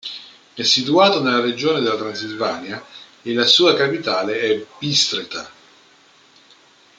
È situato nella regione della Transilvania e la sua capitale è Bistrița.